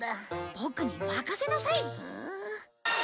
ボクに任せなさい。